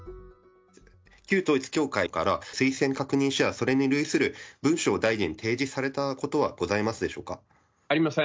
旧統一教会から、推薦確認書や、それに類する文書を大臣、提示されたことはございますでしょうか。